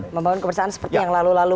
membangun kepercayaan seperti yang lalu lalu